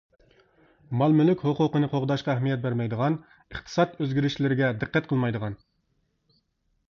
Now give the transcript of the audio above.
مال-مۈلۈك ھوقۇقىنى قوغداشقا ئەھمىيەت بەرمەيدىغان، ئىقتىساد ئۆزگىرىشلىرىگە دىققەت قىلمايدىغان.